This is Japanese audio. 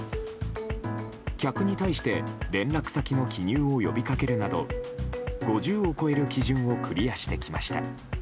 客に対して連絡先の記入を呼び掛けるなど５０を超える基準をクリアしてきました。